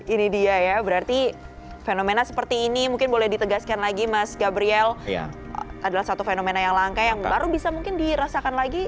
ini dia ya berarti fenomena seperti ini mungkin boleh ditegaskan lagi mas gabriel adalah satu fenomena yang langka yang baru bisa mungkin dirasakan lagi